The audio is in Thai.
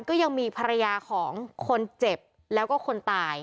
ก็ยังมีภรรยาของคนเจ็บแล้วก็คนตาย